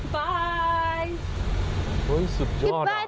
บ๊ายสุดยอดอ่ะบ๊ายขอบคุณ